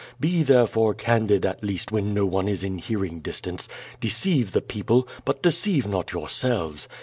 Be therefore candid at least when no one is in hearing distance. Deceive the people, but deceive not yourselves.